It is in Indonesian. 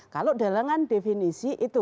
kalau dalam kan definisi itu